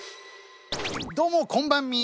どうもこんばんみ。